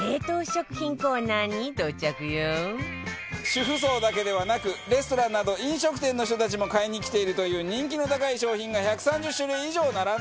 主婦層だけではなくレストランなど飲食店の人たちも買いに来ているという人気の高い商品が１３０種類以上並んでいます。